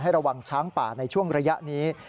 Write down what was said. ระวังช้างป่าในช่วงระยะนี้